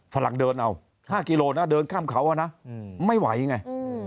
ฝรั่งเดินเอา๕กิโลนะเดินข้ามเขานะไม่ไหวไง